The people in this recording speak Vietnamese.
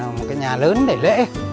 một cái nhà lớn để lễ